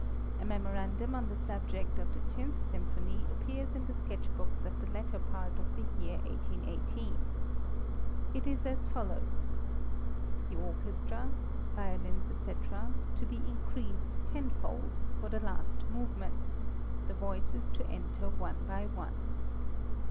A memorandum on the subject of the Tenth Symphony appears in the sketch books of the latter part of the year 1818. It is as follows: "The orchestra (violins, etc.) to be increased tenfold, for the last movements, the voices to enter one by one.